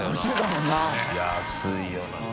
安いよな。